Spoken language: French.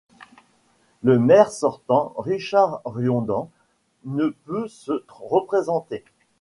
Le maire sortant, Richard Riordan ne peut se représenter.